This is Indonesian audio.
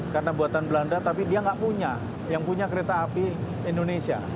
karena buatan belanda tapi dia tidak punya yang punya kereta api indonesia